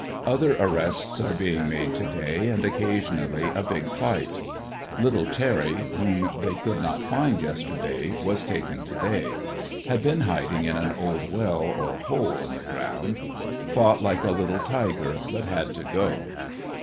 Other arrests are being made to day, and occasionally a big fight Little Terry, whom they could not find yesterday, was to day taken. Had been hiding in an old well, or hole in the ground. Fought like a little tiger, but had to go.